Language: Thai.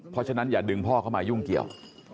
เพราะฉะนั้นอย่าดึงพ่อเข้ามายุ่งเกี่ยว